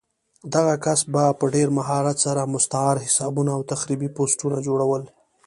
دغه کس به په ډېر مهارت سره مستعار حسابونه او تخریبي پوسټونه جوړول